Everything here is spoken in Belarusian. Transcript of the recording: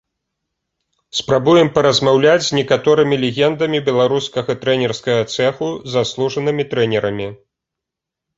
Спрабуем паразмаўляць з некаторымі легендамі беларускага трэнерскага цэху, заслужанымі трэнерамі.